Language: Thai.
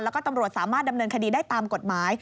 แล้วก็ตำรวจสามารถดำเนินคดีได้ตามกฎหมาย